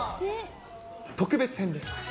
特別編です。